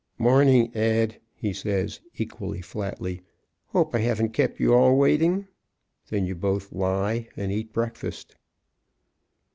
"Morning, Ed," he says, equally flatly, "hope I haven't kept you all waiting." Then you both lie and eat breakfast.